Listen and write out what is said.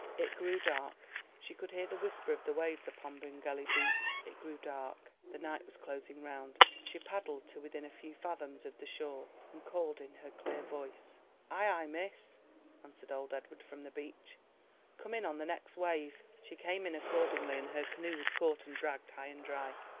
It grew dark; she could hear the whisper of the waves upon Bryngelly beach. It grew dark; the night was closing round. She paddled to within a few fathoms of the shore, and called in her clear voice. "Ay, ay, miss," answered old Edward from the beach. "Come in on the next wave." She came in accordingly and her canoe was caught and dragged high and dry.